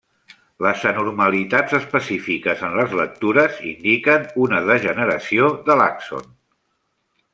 Les anormalitats específiques en les lectures indiquen una degeneració de l'àxon.